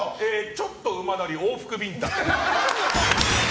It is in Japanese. ちょっと馬乗り往復ビンタ。